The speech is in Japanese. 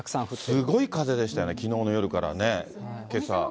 すごい風でしたよね、きのうの夜からね。